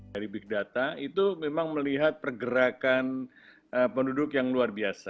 dari big data itu memang melihat pergerakan penduduk yang luar biasa